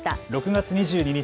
６月２２日